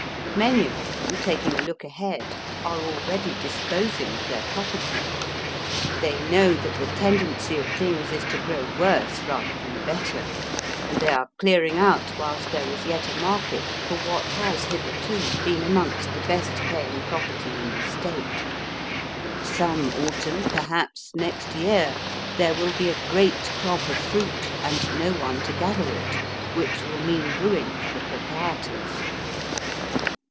Many of them, taking a look ahead, are already disposing of their property. They know that the tendency of things is to grow worse rather than better, and they are clearing out whilst there is yet a market for what has hitherto been amongst the best paying property in the State. Some autumn, perhaps next year, there will be a great crop of fruit and no one to gather it, which will mean ruin for the proprietors.